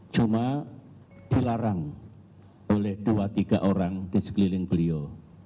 cuma dilarang oleh dua tiga orang di sekeliling beliau